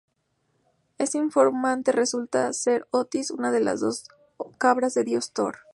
Este informante resulta ser Otis, una de las dos cabras del dios Thor.